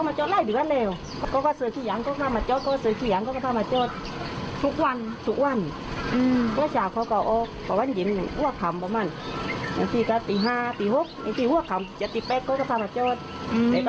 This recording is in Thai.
ป้าไม่เคยสงสัยไม่เคยกังวลอะไรเพราะว่าก็บิดกันด้วยก็ให้การได้